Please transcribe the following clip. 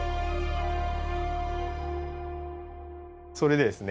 それでですね。